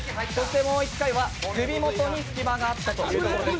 もう１回は、首もとに隙間があったということです。